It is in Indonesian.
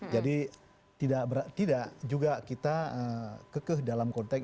jadi tidak juga kita kekeh dalam konteks